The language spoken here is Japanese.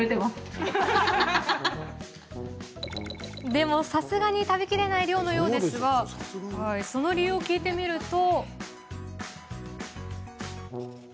でも、さすがに食べきれない量のようですがその理由を聞いてみると。